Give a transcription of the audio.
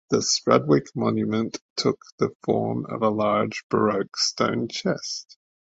The Strudwick monument took the form of a large Baroque stone chest.